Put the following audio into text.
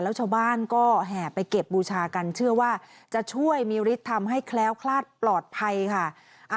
แล้วชาวบ้านก็แห่ไปเก็บบูชากันเชื่อว่าจะช่วยมีฤทธิ์ทำให้แคล้วคลาดปลอดภัยค่ะ